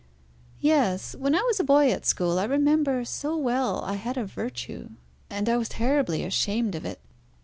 "Yes. When I was a boy at school, I remember so well I had a virtue, and I was terribly ashamed of it.